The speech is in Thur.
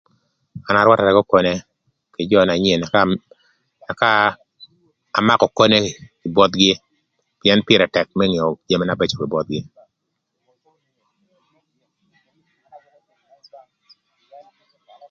An arwatara k'okone kï jö na nyen ka amakö okone kï bothgï pïën pïrë tëk më ngeo jami na bëcö kï bothgï.